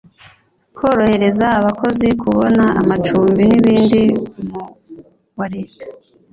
Korohereza abakozi kubona amacumbi n ibindi mu wa leta